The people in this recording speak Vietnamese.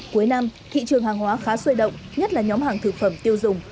cuối năm thị trường hàng hóa khá sôi động nhất là nhóm hàng thực phẩm tiêu dùng